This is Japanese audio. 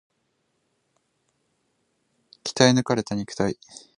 鍛え抜かれた肉体